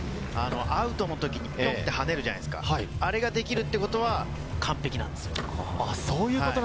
アウトの時に跳ねるじゃないですか、あれができるっていうことは完璧なんですよ。